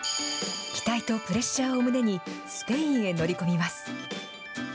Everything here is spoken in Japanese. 期待とプレッシャーを胸に、スペインへ乗り込みます。